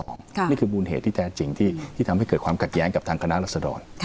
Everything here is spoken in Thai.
นี่คือมูลเหตุที่แท้จริงที่ทำให้เกิดความขัดแย้งกับทางคณะรัศดร